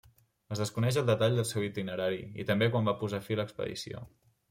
Es desconeix el detall del seu itinerari i també quan va posar fi a l'expedició.